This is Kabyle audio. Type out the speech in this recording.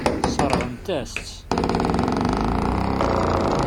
Sseṛɣent-as-tt.